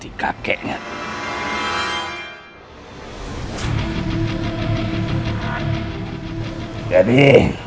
kita bekerja sama kan